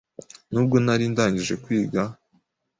N’ubwo nari ndangije kwiga